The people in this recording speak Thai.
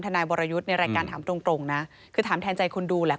นายวรยุทธ์ในรายการถามตรงนะคือถามแทนใจคนดูแหละ